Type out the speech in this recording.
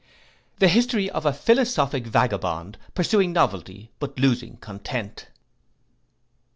The history of a philosophic vagabond, pursuing novelty, but losing content.